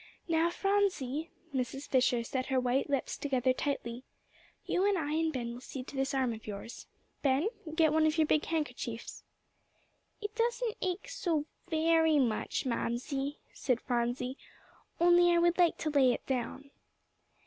Now Phronsie" Mrs. Fisher set her white lips together tightly "you and I and Ben will see to this arm of yours. Ben, get one of your big handkerchiefs." "It doesn't ache so very much, Mamsie," said Phronsie, "only I would like to lay it down."